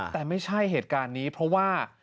แต่ไม่ใช่เหตุการณ์นี้เพราะว่า